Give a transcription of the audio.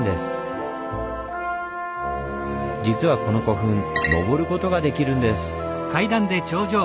実はこの古墳のぼることができるんです。